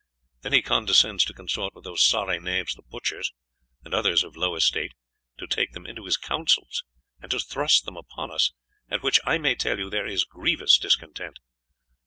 Then he condescends to consort with these sorry knaves the butchers, and others of low estate, to take them into his counsels, and to thrust them upon us, at which, I may tell you, there is grievous discontent.